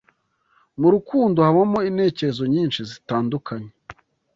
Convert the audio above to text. Mu rukundo habamo intekerezo nyinshi zitandukanye